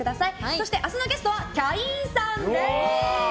そして明日のゲストはキャインさんです。